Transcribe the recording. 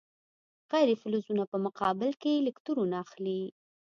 غیر فلزونه په مقابل کې الکترون اخلي.